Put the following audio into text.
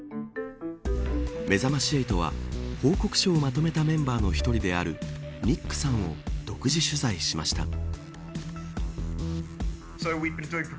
めざまし８は報告書をまとめたメンバーの１人であるニックさんを独自取材しました。